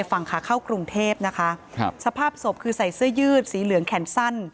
ฝั่งขาเข้ากรุงเทพนะคะครับสภาพศพคือใส่เสื้อยืดสีเหลืองแขนสั้น